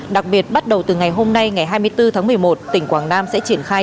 đặc biệt bắt đầu từ ngày hôm nay ngày hai mươi bốn tháng một mươi một tỉnh quảng nam sẽ triển khai